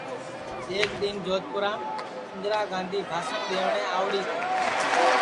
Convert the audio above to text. ایک دِؔن جودپُورام اِندرا گاندھی بھاسٹؔ دؔیٹؔیں آؤڑی تی